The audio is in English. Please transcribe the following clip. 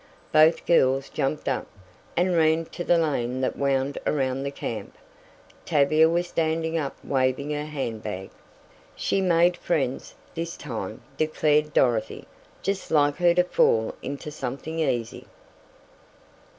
Both girls jumped up, and ran to the lane that wound around the camp. Tavia was standing up waving her hand bag. "She made friends this time," declared Dorothy. "Just like her to fall into something easy."